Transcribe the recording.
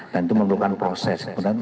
dan itu memerlukan proses